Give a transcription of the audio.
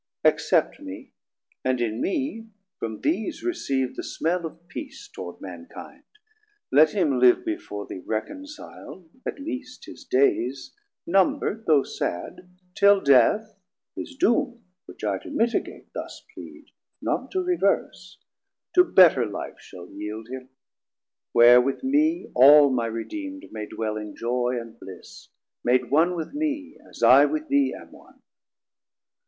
Accept me, and in mee from these receave The smell of peace toward Mankinde, let him live Before thee reconcil'd, at least his days Numberd, though sad, till Death, his doom (which I 40 To mitigate thus plead, not to reverse) To better life shall yeeld him, where with mee All my redeemd may dwell in joy and bliss, Made one with me as I with thee am one.